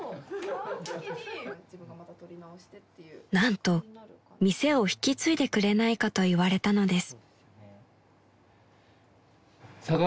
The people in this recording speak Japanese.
［何と店を引き継いでくれないかと言われたのです］